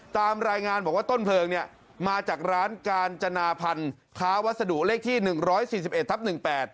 ตามรายงานบอกว่าต้นเพลิงเนี่ยมาจากร้านกาญจนาพันธ์ค้าวัสดุเลขที่๑๔๑ทับ๑๘